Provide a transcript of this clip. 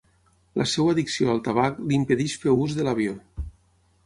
La seua addicció al tabac li impedix fer ús de l'avió.